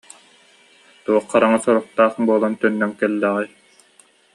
Туох хараҥа соруктаах буолан, төннөн кэллэҕэй